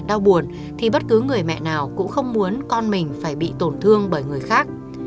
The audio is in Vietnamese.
đau buồn thì bất cứ người mẹ nào cũng không muốn con mình phải bị tổn thương bởi người khác